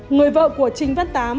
người vợ của trinh văn tám